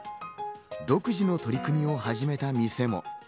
独自の取り組みを始めた店も。